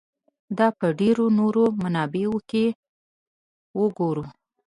دا په ډېرو نورو منابعو کې وګورو.